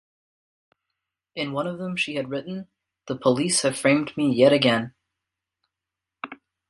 In one of them she had written, The police have framed me yet again.